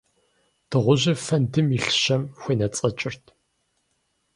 Дыгъужьыр фэндым илъ щэм хуенэцӀэкӀырт.